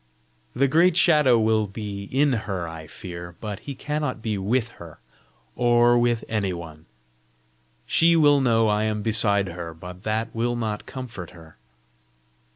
"The great Shadow will be in her, I fear, but he cannot be WITH her, or with any one. She will know I am beside her, but that will not comfort her."